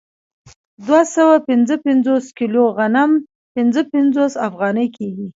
دوه سوه پنځه پنځوس کیلو غنم پنځه پنځوس افغانۍ کېږي